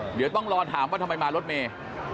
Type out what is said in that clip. เดี๋ยวต้องรอถามว่าทำไมมารถเมย์